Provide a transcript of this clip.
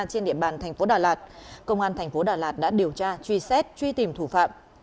trên địa bàn tp hcm công an tp hcm đã điều tra truy xét truy tìm thủ phạm